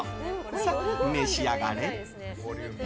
さあ、召し上がれ。